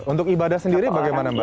untuk ibadah sendiri bagaimana mbak